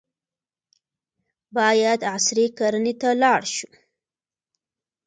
باید عصري کرنې ته لاړ شو.